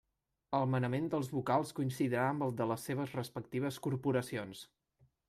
El manament dels vocals coincidirà amb el de les seves respectives Corporacions.